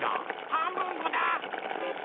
はんぶんこだ。